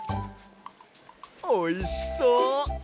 おいしそう！